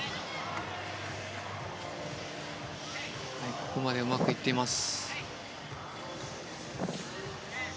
ここまではうまくいっています。